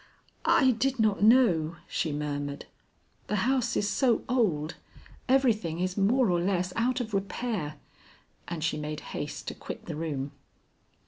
"I did not know," she murmured. "The house is so old, everything is more or less out of repair." And she made haste to quit the room.